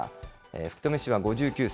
福留氏は５９歳。